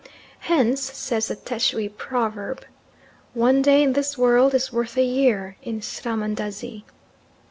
Hence, says the Tschwi proverb, "One day in this world is worth a year in Srahmandazi."